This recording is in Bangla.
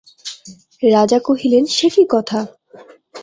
রাজা কহিলেন, সে কী কথা!